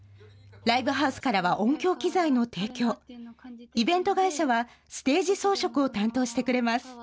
ライブハウスからは音響機材の提供、イベント会社はステージ装飾を担当してくれます。